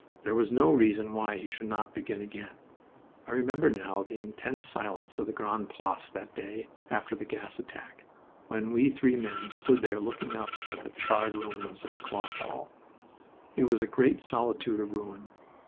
There was no reason why he should not begin again... I remember now the intense silence of the Grande Place that day after the gas attack, when we three men stood there looking up at the charred ruins of the Cloth Hall. It was a great solitude of ruin.